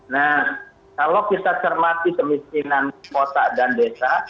nah kalau kita cermati kemiskinan kota dan desa